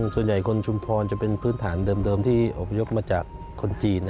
ส่วนใหญ่คนชุมพรจะเป็นพื้นฐานเดิมที่อพยพมาจากคนจีน